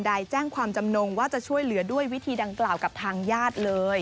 แจ้งความจำนงว่าจะช่วยเหลือด้วยวิธีดังกล่าวกับทางญาติเลย